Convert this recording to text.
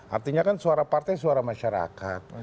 artinya kan suara partai suara masyarakat